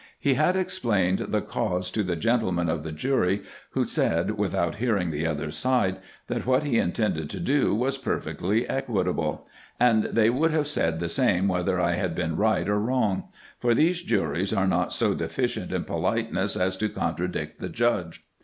He had explained the cause to the gentlemen of the jury, who said, without hearing the other side, that what he intended to do was perfectly s ISO RESEARCHES AND OPERATIONS equitable, and they would have said the same whether I had been right or wrong ; for these juries are not so deficient in politeness as to contradict the judge.